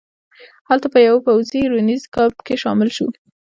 هلته په یوه پوځي روزنیز کمپ کې شامل شو.